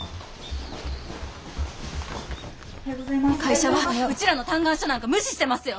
会社はウチらの嘆願書なんか無視してますよ！